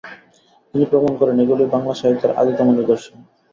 তিনি প্রমাণ করেন এগুলিই বাংলা সাহিত্যের আদিতম নিদর্শন।